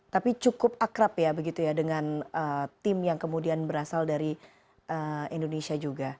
tapi cukup akrab ya begitu ya dengan tim yang kemudian berasal dari indonesia juga